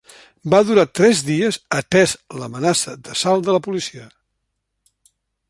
Va durar tres dies atès l'amenaça d'assalt de la policia.